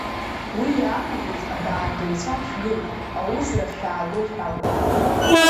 Уи иаанагоз, абаандаҩцәа шәгыл, аусурахь шәаагоит ҳәа акәын.